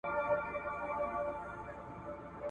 هغه بې حسابه پلونه او کاروانسرایونه جوړ کړل.